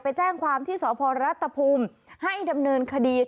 ไปแจ้งความที่สพรัฐภูมิให้ดำเนินคดี